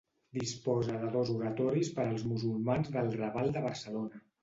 Disposa de dos oratoris per als musulmans del Raval de Barcelona.